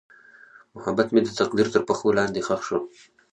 محبت مې د تقدیر تر پښو لاندې ښخ شو.